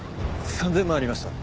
３０００万ありました。